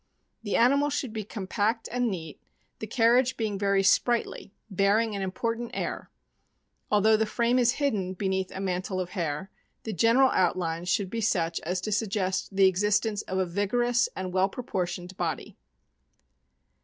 The animal should be compact and neat, the car riage being very "sprightly," bearing an important air. Although the frame is hidden beneath a mantle of hair, the general outline should be such as to suggest the existence of a vigorous and well proportioned body.